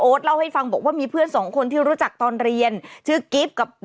โอ๊ดเล่าให้ฟังบอกว่ามีเพื่อนสองคนที่รู้จักตอนเรียนชื่อกรีฟกับล็อกเนี่ย